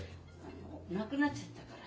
なくなっちゃったから。